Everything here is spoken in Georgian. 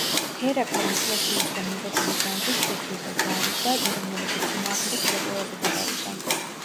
ჰერაკლემ ეკლესიისგან მიღებული განძით შეკრიბა ჯარი და ირანელების წინააღმდეგ შეტევაზე გადავიდა.